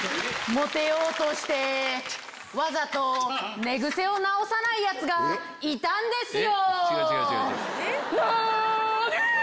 モテようとしてわざと寝癖を直さないヤツがいたんですよ。